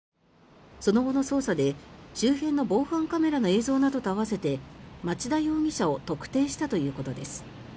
その後の捜査で周辺の防犯カメラの映像などと合わせて町田容疑者を特定したということです。